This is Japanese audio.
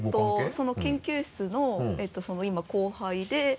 その研究室の今後輩で。